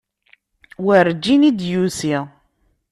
Werǧin i d-yusi.